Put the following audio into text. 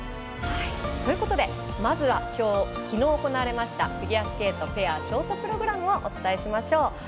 まずは、きのう行われましたフィギュアスケートペアショートプログラムをお伝えしましょう。